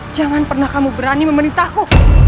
jangan pernah kamu berani memeritaku